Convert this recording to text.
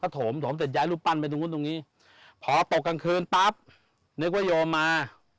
ถมเสร็จย้ายลูปปันไปตรงนี้พอตกกลางคืนปั๊บนึกว่าโยมา